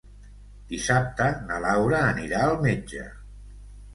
Dissabte na Laura anirà al metge.